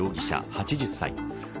８０歳。